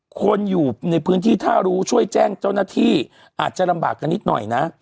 คนอยู่ในพื้นที่ถ้ารู้ช่วยแจ้งเจ้าหน้าที่อาจจะลำบากกันนิดหน่อยนะ